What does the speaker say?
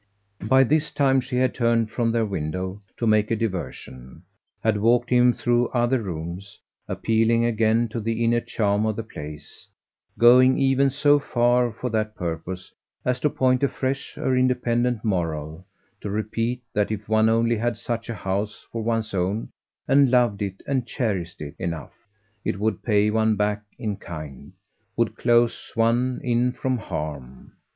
By this time she had turned from their window to make a diversion, had walked him through other rooms, appealing again to the inner charm of the place, going even so far for that purpose as to point afresh her independent moral, to repeat that if one only had such a house for one's own and loved it and cherished it enough, it would pay one back in kind, would close one in from harm.